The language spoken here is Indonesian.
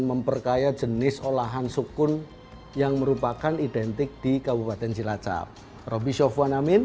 memperkaya jenis olahan sukun yang merupakan identik di kabupaten cilacap roby shofuan amin